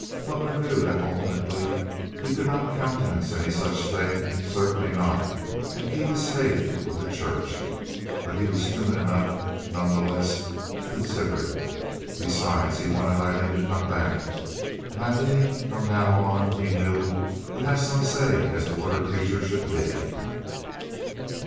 Butler knew that ultimately he could not countenance any such thing—certainly not, and keep his faith with the Church—but he was human enough none the less to consider it. Besides, he wanted Aileen to come back; and Aileen from now on, he knew, would have some say as to what her future should be.